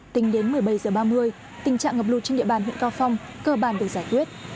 tính đến một mươi bảy h ba mươi tình trạng ngập lụt trên địa bàn huyện cao phong cơ bản được giải quyết